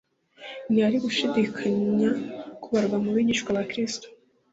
ntiyari gushidikanya kubarwa mu bigishwa ba Kristo.